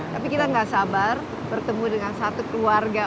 tapi kita nggak sabar bertemu dengan satu keluarga